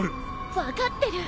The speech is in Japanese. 分かってる。